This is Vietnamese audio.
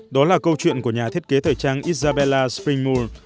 đó là câu chuyện của nhà thiết kế thời trang isabella springmore